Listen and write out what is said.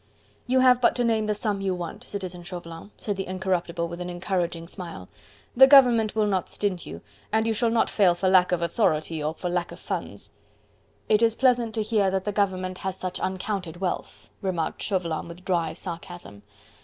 "You have but to name the sum you want, Citizen Chauvelin," said the Incorruptible, with an encouraging smile, "the government will not stint you, and you shall not fail for lack of authority or for lack of funds." "It is pleasant to hear that the government has such uncounted wealth," remarked Chauvelin with dry sarcasm.